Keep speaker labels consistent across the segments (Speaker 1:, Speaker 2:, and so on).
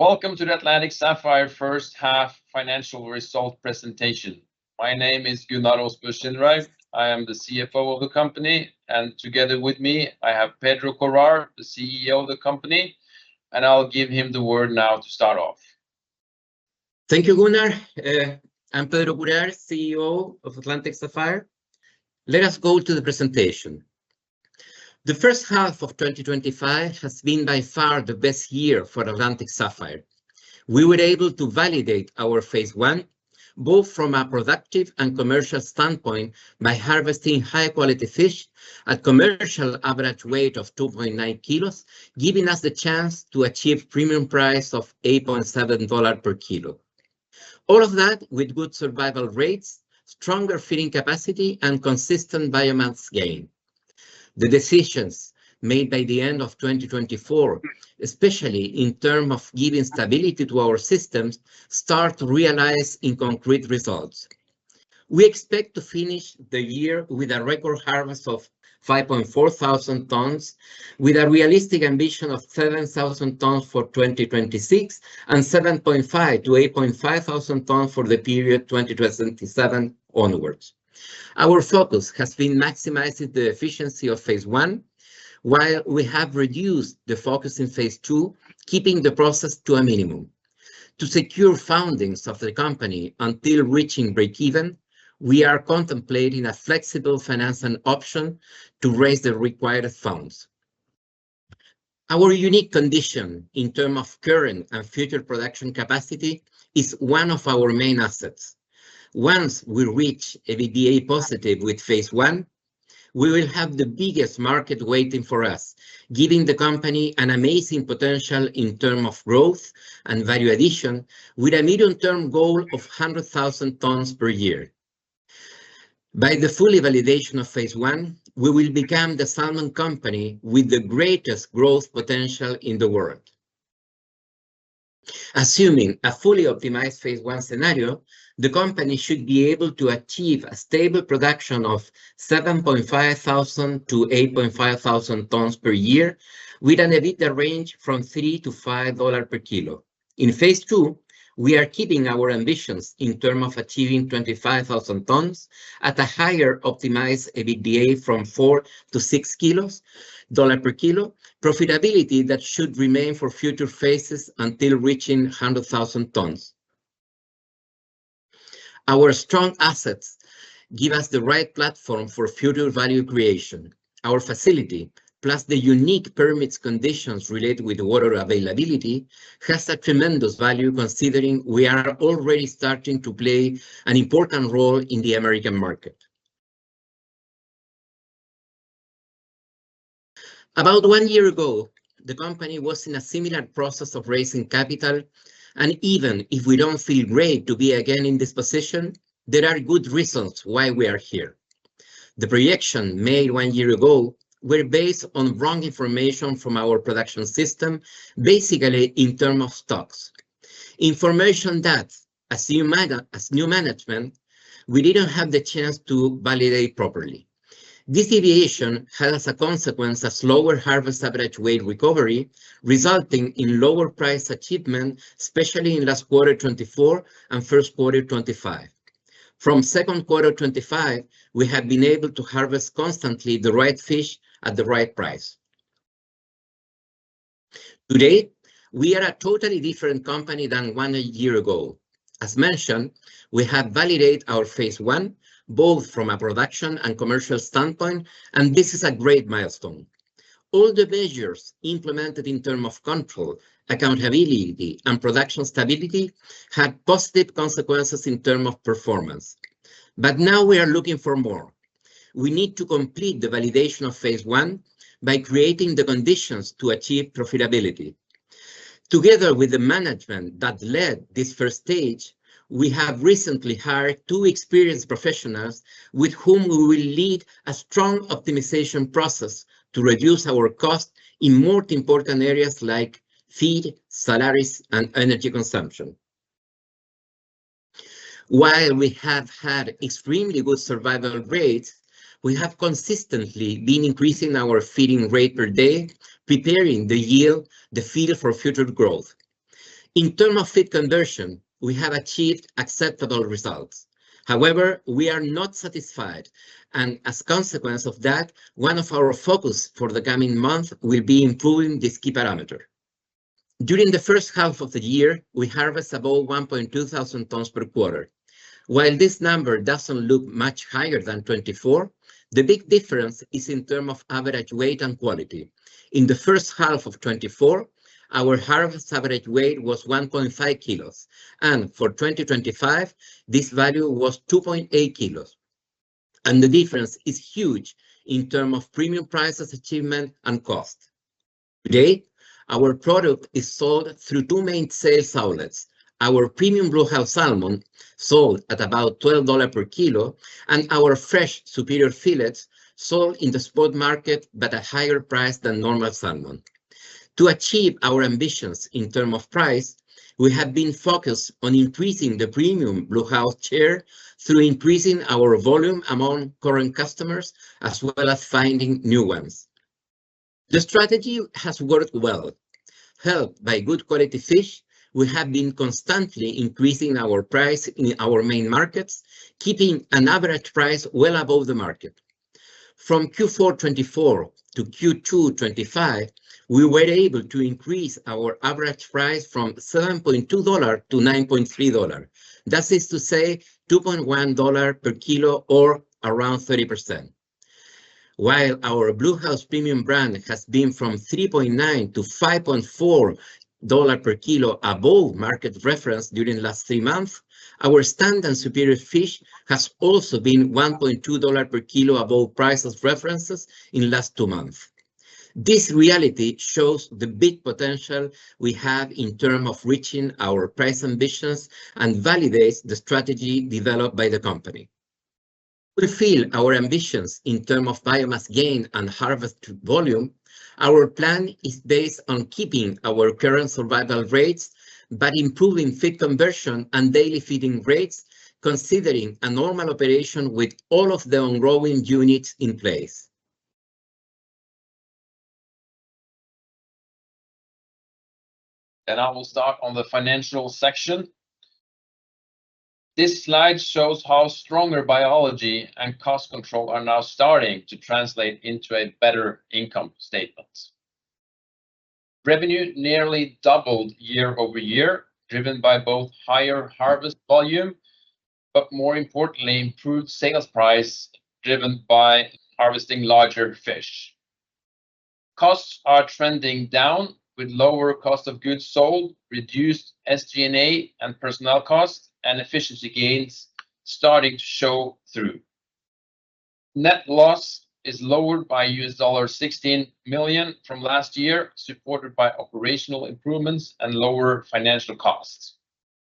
Speaker 1: Welcome to the Atlantic Sapphire first half financial result presentation. My name is Gunnar Aasbø-Skinderhaug. I am the CFO of the company, and together with me, I have Pedro Courard, the CEO of the company, and I'll give him the word now to start off.
Speaker 2: Thank you, Gunnar. I'm Pedro Courard, CEO of Atlantic Sapphire. Let us go to the presentation. The first half of 2025 has been by far the best year for Atlantic Sapphire. We were able to validate our phase I, both from a productive and commercial standpoint, by harvesting high-quality fish at a commercial average weight of 2.9 kilos, giving us the chance to achieve a premium price of $8.7 per kilo. All of that with good survival rates, stronger feeding capacity, and consistent biomass gain. The decisions made by the end of 2024, especially in terms of giving stability to our systems, start to realize in concrete results. We expect to finish the year with a record harvest of 5.4 thousand tons, with a realistic ambition of 7,000 tons for 2026 and 7.5-8.5 thousand tons for the period 2027 onwards. Our focus has been maximizing the efficiency of phase I, while we have reduced the focus in phase II, keeping the process to a minimum. To secure fundings of the company until reaching break-even, we are contemplating a flexible financing option to raise the required funds. Our unique condition in terms of current and future production capacity is one of our main assets. Once we reach an EBITDA positive with phase I, we will have the biggest market waiting for us, giving the company an amazing potential in terms of growth and value addition, with a medium-term goal of 100,000 tons per year. By the full validation of phase I, we will become the salmon company with the greatest growth potential in the world. Assuming a fully optimized phase I scenario, the company should be able to achieve a stable production of 7.5 thousand-8.5 thousand tons per year, with an EBITDA range from $3-$5 per kilo. In phase II, we are keeping our ambitions in terms of achieving 25,000 tons at a higher optimized EBITDA from $4-$6 per kilo, profitability that should remain for future phases until reaching 100,000 tons. Our strong assets give us the right platform for future value creation. Our facility, plus the unique permits conditions related with water availability, has a tremendous value, considering we are already starting to play an important role in the American market. About one year ago, the company was in a similar process of raising capital, and even if we don't feel great to be again in this position, there are good reasons why we are here. The projections made one year ago were based on wrong information from our production system, basically in terms of stocks. Information that, as new management, we didn't have the chance to validate properly. This deviation had as a consequence a slower harvest average weight recovery, resulting in lower price achievement, especially in last quarter 2024 and first quarter 2025. From second quarter 2025, we have been able to harvest constantly the right fish at the right price. Today, we are a totally different company than one year ago. As mentioned, we have validated our phase I, both from a production and commercial standpoint, and this is a great milestone. All the measures implemented in terms of control, accountability, and production stability had positive consequences in terms of performance. But now we are looking for more. We need to complete the validation of phase I by creating the conditions to achieve profitability. Together with the management that led this first stage, we have recently hired two experienced professionals with whom we will lead a strong optimization process to reduce our cost in more important areas like feed, salaries, and energy consumption. While we have had extremely good survival rates, we have consistently been increasing our feeding rate per day, preparing the yield, the feed for future growth. In terms of feed conversion, we have achieved acceptable results. However, we are not satisfied, and as a consequence of that, one of our focuses for the coming months will be improving this key parameter. During the first half of the year, we harvested about 1.2 thousand tons per quarter. While this number doesn't look much higher than 2024, the big difference is in terms of average weight and quality. In the first half of 2024, our harvest average weight was 1.5 kilos, and for 2025, this value was 2.8 kilos, and the difference is huge in terms of premium prices achievement and cost. Today, our product is sold through two main sales outlets: our premium Bluehouse Salmon, sold at about $12 per kilo, and our fresh Superior fillets sold in the spot market but at a higher price than normal salmon. To achieve our ambitions in terms of price, we have been focused on increasing the premium Bluehouse share through increasing our volume among current customers, as well as finding new ones. The strategy has worked well. Helped by good quality fish, we have been constantly increasing our price in our main markets, keeping an average price well above the market. From Q4 2024 to Q2 2025, we were able to increase our average price from $7.2 to $9.3. That is to say, $2.1 per kilo, or around 30%. While our Bluehouse premium brand has been from $3.9 to $5.4 per kilo above market reference during the last three months, our standard Superior fish has also been $1.2 per kilo above price references in the last two months. This reality shows the big potential we have in terms of reaching our price ambitions and validates the strategy developed by the company. To fulfill our ambitions in terms of biomass gain and harvest volume, our plan is based on keeping our current survival rates but improving feed conversion and daily feeding rates, considering a normal operation with all of the ongoing units in place.
Speaker 1: I will start on the financial section. This slide shows how stronger biology and cost control are now starting to translate into a better income statement. Revenue nearly doubled year-over-year, driven by both higher harvest volume, but more importantly, improved sales price driven by harvesting larger fish. Costs are trending down, with lower cost of goods sold, reduced SG&A and personnel costs, and efficiency gains starting to show through. Net loss is lowered by $16 million from last year, supported by operational improvements and lower financial costs.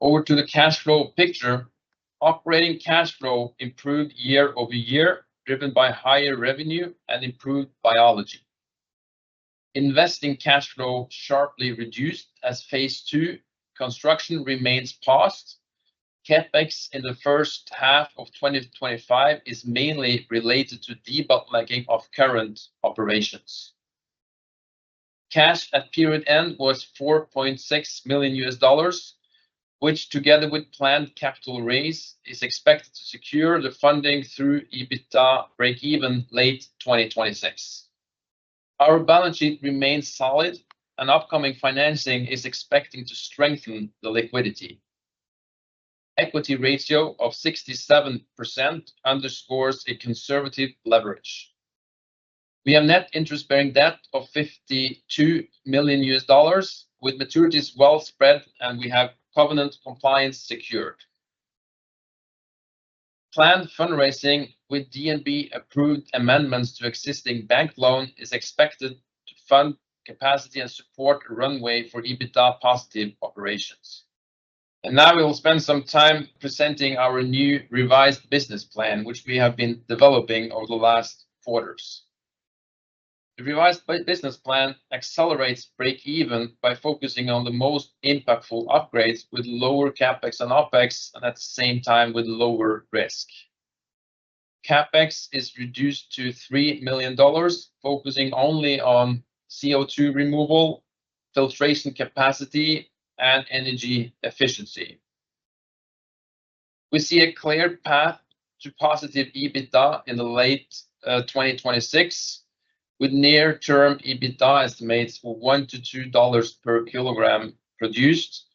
Speaker 1: Over to the cash flow picture. Operating cash flow improved year over year, driven by higher revenue and improved biology. Investing cash flow sharply reduced as phase II construction remains paused. CapEx in the first half of 2025 is mainly related to de-bottlenecking of current operations. Cash at period end was $4.6 million, which, together with planned capital raise, is expected to secure the funding through EBITDA break-even late 2026. Our balance sheet remains solid, and upcoming financing is expecting to strengthen the liquidity. Equity ratio of 67% underscores a conservative leverage. We have net interest-bearing debt of $52 million, with maturities well spread, and we have covenant compliance secured. Planned fundraising with DNB-approved amendments to existing bank loans is expected to fund capacity and support a runway for EBITDA positive operations. Now we will spend some time presenting our new revised business plan, which we have been developing over the last quarters. The revised business plan accelerates break-even by focusing on the most impactful upgrades, with lower CapEx and OpEx, and at the same time with lower risk. CapEx is reduced to $3 million, focusing only on CO2 removal, filtration capacity, and energy efficiency. We see a clear path to positive EBITDA in the late 2026, with near-term EBITDA estimates for $1-$2 per kilogram produced,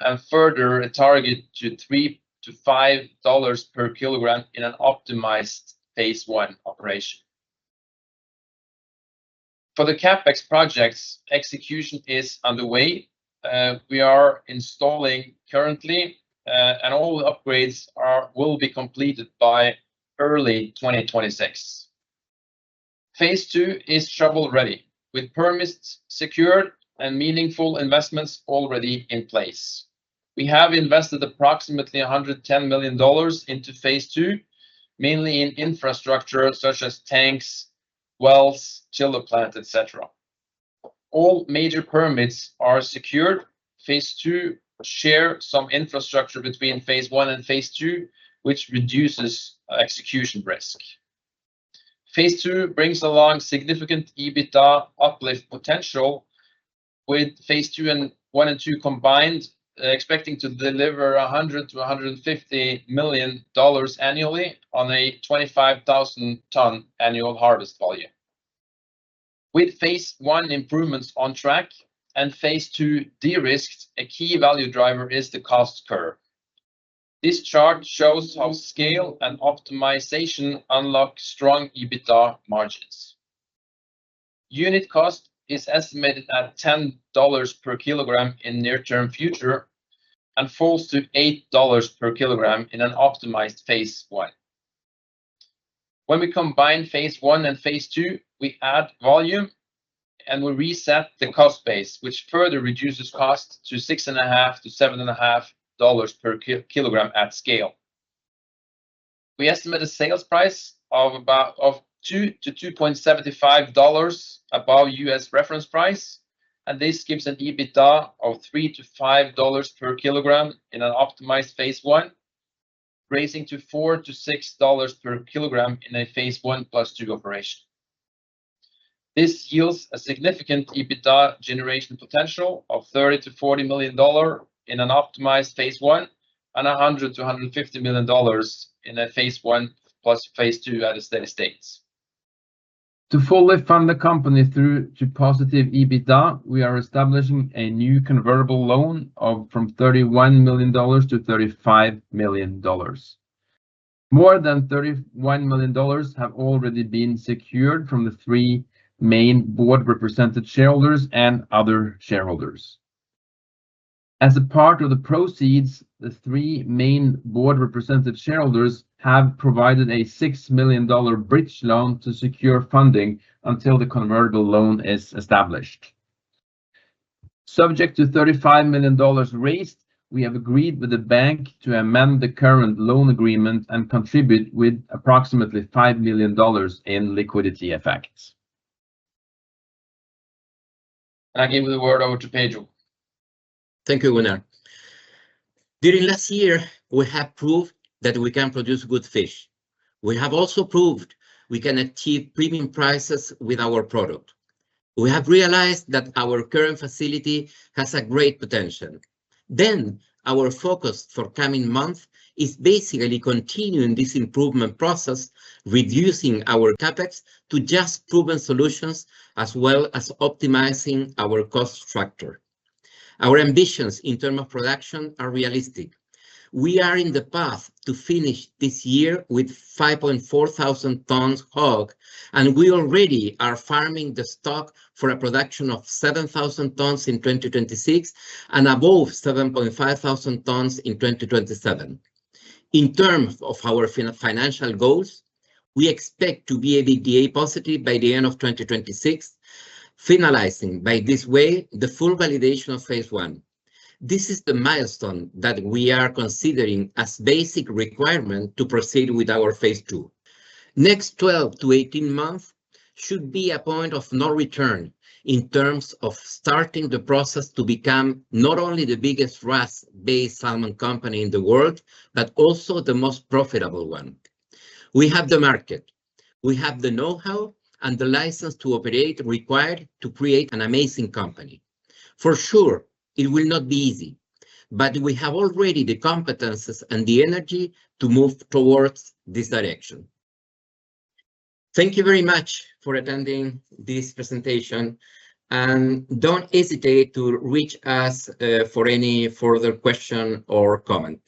Speaker 1: and further a target to $3-$5 per kilogram in an optimized phase I operation. For the CapEx projects, execution is underway. We are installing currently, and all upgrades will be completed by early 2026. Phase II is shovel-ready, with permits secured and meaningful investments already in place. We have invested approximately $110 million into phase II, mainly in infrastructure such as tanks, wells, chiller plants, et cetera. All major permits are secured. Phase II shares some infrastructure between phase I and phase II, which reduces execution risk. Phase II brings along significant EBITDA uplift potential, with phase I and II combined expecting to deliver $100-$150 million annually on a 25,000-ton annual harvest volume. With phase I improvements on track and phase II de-risked, a key value driver is the cost curve. This chart shows how scale and optimization unlock strong EBITDA margins. Unit cost is estimated at $10 per kg in the near-term future and falls to $8 per kg in an optimized phase I. When we combine phase I and phase II, we add volume and we reset the cost base, which further reduces cost to $6.5-$7.5 per kg at scale. We estimate a sales price of about $2-$2.75 above US reference price, and this gives an EBITDA of $3-$5 per kg in an optimized phase I, raising to $4-$6 per kg in a phase I plus II operation. This yields a significant EBITDA generation potential of $30 million-$40 million in an optimized phase I and $100-$150 million in a phase I plus phase II at a steady state. To fully fund the company through to positive EBITDA, we are establishing a new convertible loan from $31 million to $35 million. More than $31 million have already been secured from the three main board-represented shareholders and other shareholders. As a part of the proceeds, the three main board-represented shareholders have provided a $6 million bridge loan to secure funding until the convertible loan is established. Subject to $35 million raised, we have agreed with the bank to amend the current loan agreement and contribute with approximately $5 million in liquidity effects, and I give the word over to Pedro.
Speaker 2: Thank you, Gunnar. During last year, we have proved that we can produce good fish. We have also proved we can achieve premium prices with our product. We have realized that our current facility has a great potential. Then our focus for the coming months is basically continuing this improvement process, reducing our CapEx to just proven solutions, as well as optimizing our cost structure. Our ambitions in terms of production are realistic. We are in the path to finish this year with 5.4 thousand tons HOG, and we already are farming the stock for a production of 7,000 tons in 2026 and above 7.5 thousand tons in 2027. In terms of our financial goals, we expect to be EBITDA positive by the end of 2026, finalizing by this way the full validation of phase I. This is the milestone that we are considering as a basic requirement to proceed with our phase II. The next 12-18 months should be a point of no return in terms of starting the process to become not only the biggest RAS-based salmon company in the world, but also the most profitable one. We have the market, we have the know-how, and the license to operate required to create an amazing company. For sure, it will not be easy, but we have already the competencies and the energy to move towards this direction. Thank you very much for attending this presentation, and don't hesitate to reach us for any further questions or comments.